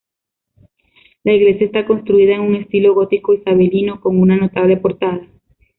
La iglesia está construida en un estilo gótico isabelino, con una notable portada.